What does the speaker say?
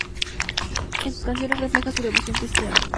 En sus canciones refleja su devoción cristiana.